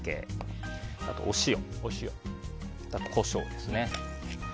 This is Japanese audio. あと、お塩、コショウですね。